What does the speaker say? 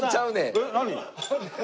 えっ何？